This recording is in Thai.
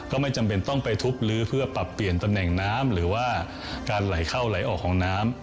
ไม่จำเป็นต้องไปทุบลื้อเพื่อปรับเปลี่ยนตำแหน่งน้ำหรือว่าการไหลเข้าไหลออกของน้ำ